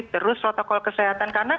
terus protokol kesehatan